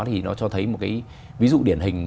thì nó cho thấy một cái ví dụ điển hình